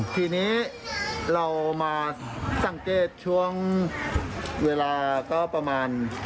ทีนี้เรามาสังเกตช่วงเวลาก็ประมาณ